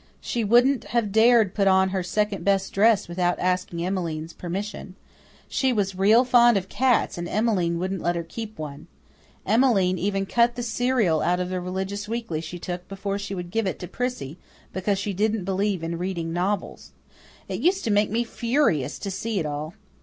She wouldn't have dared put on her second best dress without asking Emmeline's permission. She was real fond of cats and Emmeline wouldn't let her keep one. Emmeline even cut the serial out of the religious weekly she took before she would give it to Prissy, because she didn't believe in reading novels. It used to make me furious to see it all.